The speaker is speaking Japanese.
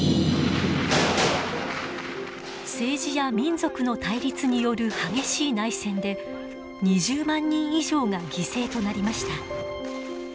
政治や民族の対立による激しい内戦で２０万人以上が犠牲となりました。